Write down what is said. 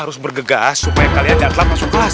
harus bergegas supaya kalian tidak telat masuk kelas